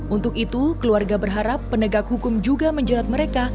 untuk itu keluarga berharap penegak hukum juga menjerat mereka